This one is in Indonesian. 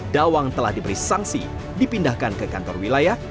dawang telah diberi sanksi dipindahkan ke kantor wilayah